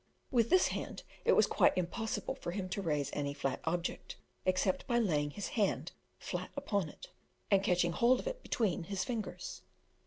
With this hand it was impossible for him to raise any flat object, except by laying his hand flat upon it, and catching hold of it between his fingers.